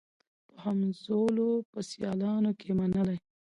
په همزولو په سیالانو کي منلې